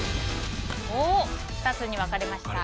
２つに分かれました。